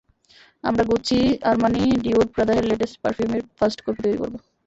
আমরা Gucci, Armani, Dior, প্রদারের latest পারফিউমের ফার্স্ট কপি তৈরি করব।